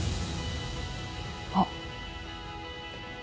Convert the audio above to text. あっ。